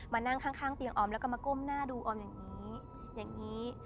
นั่งข้างเตียงออมแล้วก็มาก้มหน้าดูออมอย่างนี้อย่างนี้